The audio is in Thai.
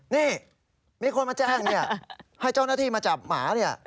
นี่มีคนมาแจ้งเนี่ยให้เจ้าหน้าที่มาจับหมาเนี่ย